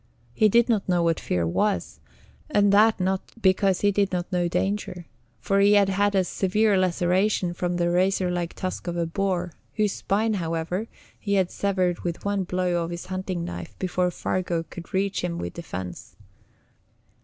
He did not know what fear was, and that not because he did not know danger; for he had had a severe laceration from the razor like tusk of a boar whose spine, however, he had severed with one blow of his hunting knife before Fargu could reach him with defense.